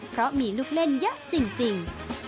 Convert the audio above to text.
เพราะมีลูกเล่นเยอะจริง